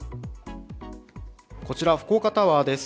こちら福岡タワーです。